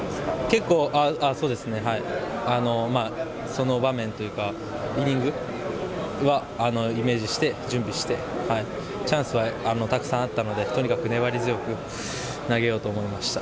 結構、そうですね、その場面というか、イニングはイメージして準備して、チャンスはたくさんあったので、とにかく粘り強く投げようと思いました。